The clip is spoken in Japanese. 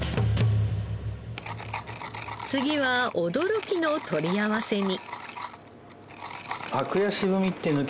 次は驚きの取り合わせに。